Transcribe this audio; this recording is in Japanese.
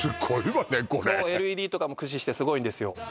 これそうＬＥＤとかも駆使してすごいんですよ